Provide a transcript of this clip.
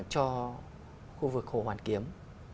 cho khu vực hồ hoàn kiếm